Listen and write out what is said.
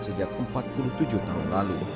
sejak empat puluh tujuh tahun lalu